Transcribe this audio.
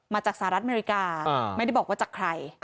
สหรัฐอเมริกาไม่ได้บอกว่าจากใคร